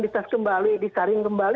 bisa kembali disaring kembali